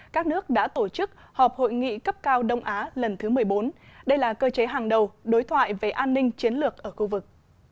các nước đã tổ chức họp hội nghị cấp cao đông á lần thứ một mươi bốn đây là cơ chế hàng đầu đối thoại về an ninh chiến lược ở khu vực